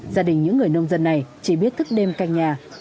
gia đình những người nông dân này chỉ biết thức đêm canh nhà